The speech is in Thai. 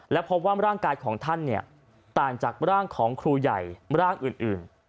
และพบว่าร่างกายของท่านต่างจากร่างของครูใหญ่ร่างอื่น